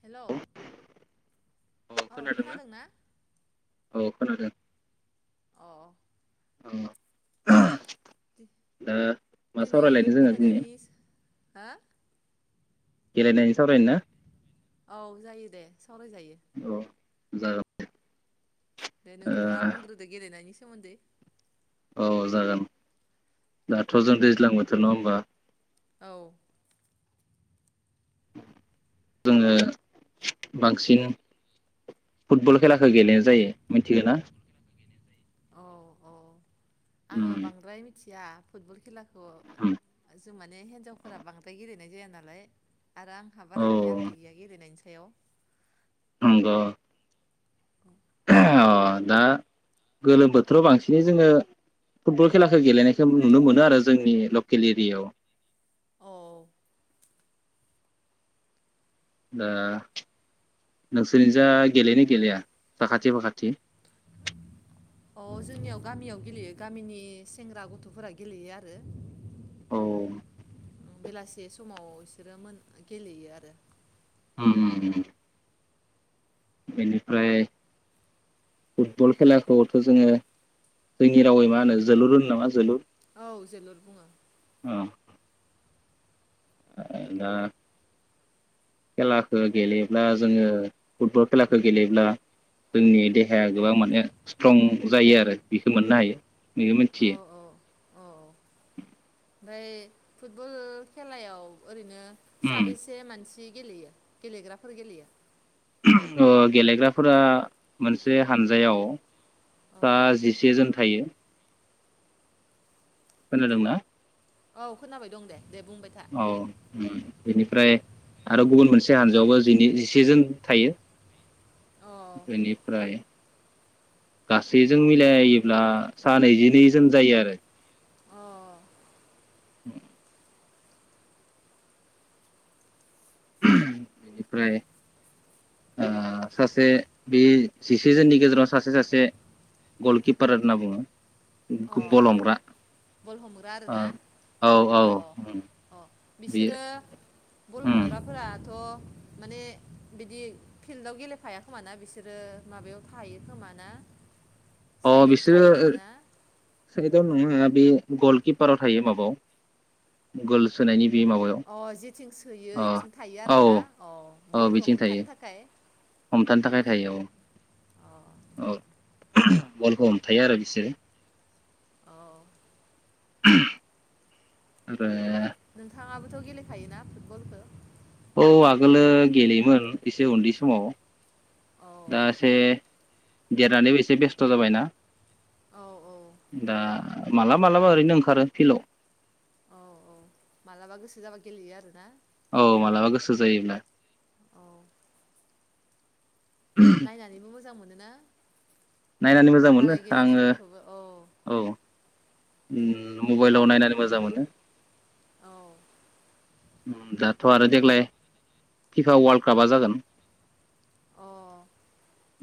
हेल' अ औ खोनादोंना? खोनादों ना? औ खोनादों। [unintelligible] दि ओ मा सावरायलायनो जोङो दिनि? हा? गेलेनायनि सावरायनो ना? औ जायो दे सावरायजायो। औ [unintelligible] दे नोंथाङा बुंग्रोदो गेलेनायनि सोमोन्दै। औ जागोन, दाथ' जों दैज्लां बोथोर नङा होनबा? औ। जोङो बांसिन फुटबल खेलाखो गेलेनाय जायो, मिथिगो ना? औ औ उम आङो बांद्राय मिथि या फुटबल खेलाखो उम। जों माने हेन्जावफोरा बांद्राय गेलेनाय जाया नालाय। आरो आंहा औ बारा गियानबो गैया गेलेनायनि स सायाव नंग अ दा गोलोम बोथोराव बांसिनै जोङो फुटबल खेलाखो गेलेनायखौ नुनो मोनो आरो जोंनि लकेल एरियायाव। औ दा नोंसोरनि जा गेलेयो ना गेलेया साखाथि फाखाथि? अ जोंनियाव गामियाव गेलेयो गामिनि सेंग्रा गथ'फोरा गेलेयो आरो। औ। बेलासे समाव इसोरो मोन गेलेयो आरो। उम उम उम। बेनिफ्राय फुटबल खेलाखौथ' जोङो जोंनि रावै मा होनो, जोलुर होनो नामा जोलुर? औ जोलुर बुङो। ओ दा खेलाखो गेलेयोब्ला जोङो फुटबल खेलाखो गेलेयोब्ला जोंनि देहाया गोबां माने स्ट्रं जायो आरो बेखौ मोननो हायो। निगो औ मिनथियो औ फ्राय फुटबल खेलायाव ओरैनो साबेसे मानसि जि गेलेयो गेलेग्राफोर गेलेयो? ओ गेलेग्राफोरा मोनसे हानजायाव औ सा जिसे जोन थायो। खोनादोंना? औ खोनाबाय दं दे। दे बुंबाय था औ उम बेनिफ्राय आरो गुबुन मोनसे हानजोयावबो जिनै जिसेजोन थायो। अ इनिफ्राइ गासैजों मिलायोब्ला सा नैजिनै जोन जायो आरो। अ [unintelligible] बेनिफ्राय आ सासे बे जिसे जोननि गेजेराव सासे सासे गलकिपार होनना बुंङो। अ उम-गुम बल हमग्रा बल हमग्रा आरोना ओ औ औ अ अ बेयो बिसोरो बल उम हमग्राफोराथ' माने बिदि फिल्डआव गेलेफाया खोमा ना बिसोरो माबायाव थाहायो खोमा ना? अ साइडआवसो थायोदां बिसोरो ना बे गलकिपाराव थायो माबाव गल सोनायनि बे माबायाव अ जेथिं सोयो अ बेथिं थायो औ आरोना अ औ बलखौ बिथिं थायो हमथानो थाखाय? थायो औ अ ओ बलखौ हमथायो आरो बिसोरो। अह आमफ्राय नोंथांङाबोथ' गेलेखायोना फुटबलखौ? औ आगोलो गेलेयोमोन एसे उन्दै समाव। औ दा से देरनानैबो एसे बेस्थ' जाबायना। औ औ दा मालाबा मालाबा ओरैनो ओंखारो फिल्डआव। औ औ मालाबा गोसो जाबा गेलेयो आरो ना? औ मालाबा गोसो जायोब्ला। अ नायनानैबो मोजां मोनो ना? नायनानै मोजां मोनो आङो औ। उम मबाइलाव नायनानै मोजां मोनो। औ उम दाथ' आरो देग्लाय फिफा वार्ल्ड कापा जागोन। अ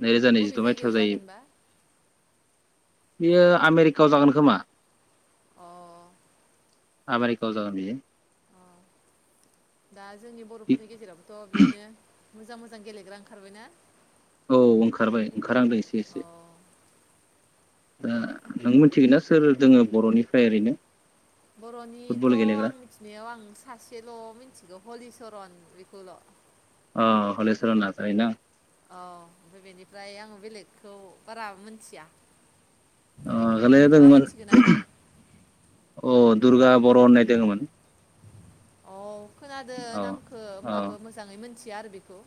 नैरोजा बबे नैजिद' जायगायाव मायथाइयाव जायो। जागोनबा बियो आमेरिकायाव जागोन खोमा। अ। आमेरिकायाव जागोन बियो। दा जोंनि बर'फोरनि गेजेरावबोथ' बिदिनो मोजां मोजां गेलेग्रा ओंखारबाय ना? औ ओंखारबाय। ओंखारहांदों एसे एसे। दा नों मिथिगोन ना सोर दोङो बर'निफ्राय ओरैनो? बर'निथ' फुटबल गेलेग्रा आं मिथिनायाव आं सासेल' मिथिगौ। हलिसरन बेखौल'। अ हलिसरन नार्जारि ना? औ ओमफ्राय बेनिफ्राय आङो बेलेगखौ बारा मोनथिया। अ आगोलैनो नोंथाङा दोङोमोन मोनथिगो नामा अ दुर्गा बर' होननाय दोङोमोन। औ। खोनादो औ नामखौ होनोमबाबो मोजाङै मोन मिथिया आरो बेखौ।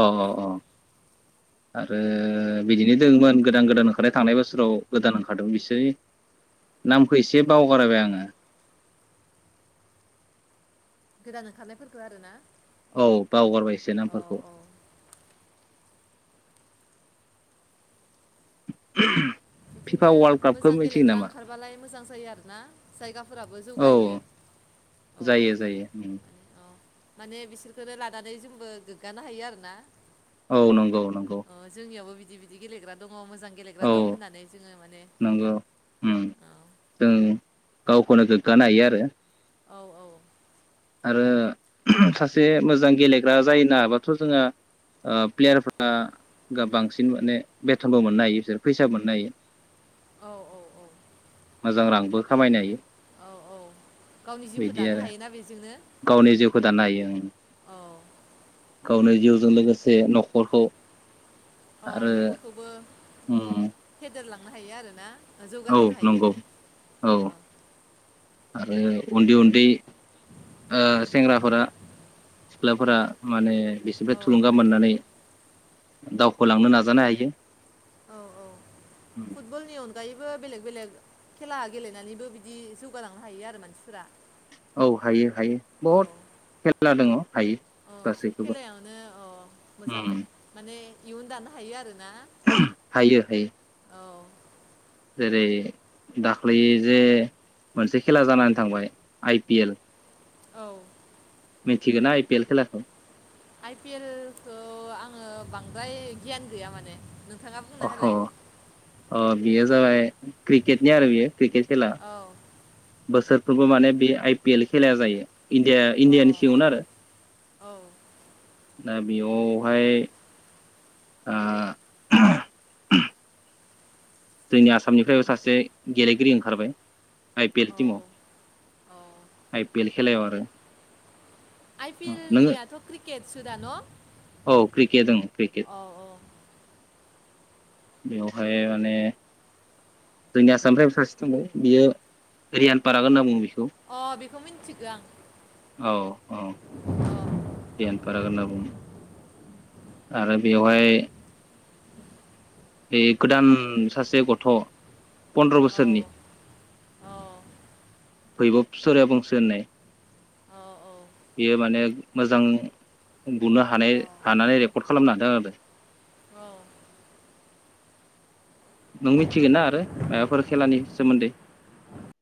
अ अ अ आरो बिदिनो दङमोन गोदान गोदान ओंखारनाय थांनाय बोसोराव गोदान ओंखारदों बिसोर नामखौ एसे बावगारायबाय आङो। गोदान ओंखारनायफोरखो आरो ना। औ बावगारबायसो नामफोरखौ। [unintelligible] बिदिनो वर्ल्ड कापखौ मोजां मिथियो गेलेग्रा नामा ओंखारबालाय मोजां जायो आरोना जायगाफोराबो जौगायो औ अ जायो जायो अ। माने बिसोरखौनो लानानै जोंबो गोग्गानो हायो आरोना। औ नंगौ। नंगौ अ जोंनियावबो बिद बिदि बिदि गेलेग्रा दं। दङ मोजां गेलेग्रा औ दं होननानै जोङो माने नंगौ उम औ जों गावखौनो गोग्गानो हायो आरो। औ औ आरो सासे मोजां गेलेग्रा जायो न हाबाथ' जोंहा प्लेयारफ्रा बांसिन माने बेथनबो मोननो हायो बिसोर फैसाो मोननो हायो। औ मोजां रांबो। खामायनो हायो। औ औ गावनि जिउखौ बिदि दानो आरो हायोना बेजोंनो। गावनि जिउखौ दाननो हायो ओ। औ गावनो जिउजों लोगोसे न'खरखौ। औ आरो न'खरखौबो उम फेदेरलां लांनो हायो आरो ना। औ नंगौ औ। आरो उन्दै उन्दै ओ सेंग्राफोरा सिख्लाफोरा माने औ बिसोरफ्राय थुलुंगा मोननानै दावखोलांनो नाजानो हायो। औ औ फुटबलनि अनगायै बो बेलेग बेलेग खेला गेलेनानैबो बिदि जौगालांनो हायो आरो मानसिफोरा। औ हायो हायो बहुद खेला दङ हायो अ सोब गासैखौबो खेलायावनो अ मोजाङै उम माने इयुन दानो हायो आरो ना हायो हायो। जेरै दाख्लै जे मोनसे खेला जानानै थांबाय आइ पि एल। औ। मिथिगोना आइ पि एल खेलाखौ आइ पि एल खौ आङो बांद्राय गियान गैया माने नों अ अ बियो जाबाय क्रिकेटनि आरो बियो क्रिकेट खेला औ बोसोर फोरबो माने बे आइ पि एल खेलाया जायो इण्डिया औ इण्डियानि सिंआवनो आरो औ दा बेयावहाय ओ जोंनि आसामनिफ्रायबो सासे गेलेगिरि ओंखारबाय आइ पि एल औ औ टिमाव आइ पि एल खेलायाव आरो आइ पि एल नोङो नि आथ' क्रिकेट सोदा न' औ क्रिकेट ओं क्रिकेट औ औ बेवहाय माने जोंनि आसामनिफ्रायबो सासे थांबाय बियो रियान पाराग होनना बुङो बेख खौ अ औ दियान फाराग होनना बुंङो आरो बेवहाय बे गोदान सासे गथ' फनद्र' बोसोरनि फैबब सरिया बंसि होननाय बेयो माने मोजां बुनो हानाय हानानै रेकर्ड खालामनो हादों आरो नों मिथिगोन ना आरो मायबाफोर खेलानि सोमोन्दै